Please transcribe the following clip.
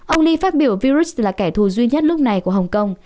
ông lee phát biểu virus là kẻ thù duy nhất lúc này của hồng kông